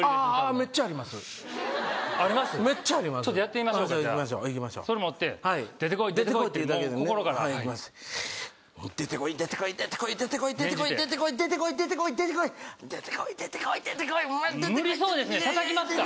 めっちゃありますやってみましょうかじゃあそれ持って出てこい出てこいってもう心から出てこい出てこい出てこい出てこい出てこい出てこい出てこい出てこい出てこい出てこい出てこい出てこい無理そうですねたたきますか？